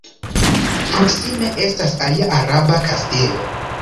Proksime estas alia araba kastelo.